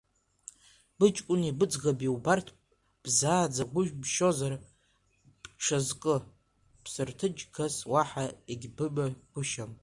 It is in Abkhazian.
Быҷкәыни быӡӷаби убарҭ бзааӡагәышьозар, бҽазкы, ԥсырҭынчгас уаҳа егьбымагәышьам!